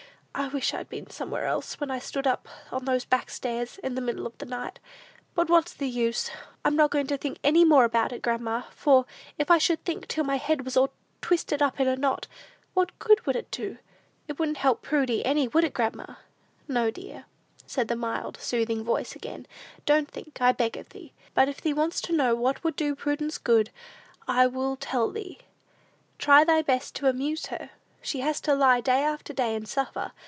I wish I'd been somewhere else, when I stood on those back stairs, in the middle of the night; but what's the use? I'm not going to think any more about it, grandma; for if I should think till my head was all twisted up in a knot, what good would it do? It wouldn't help Prudy any; would it, grandma?" "No, dear," said the mild, soothing voice again; "don't think, I beg of thee; but if thee wants to know what would do Prudence good, I will tell thee: try thy best to amuse her. She has to lie day after day and suffer.